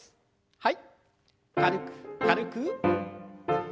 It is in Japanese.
はい。